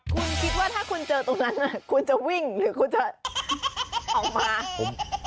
คุณคิดว่าถ้าคุณเจอตรงนั้นคุณจะวิ่งหรือคุณจะออกมาคุณ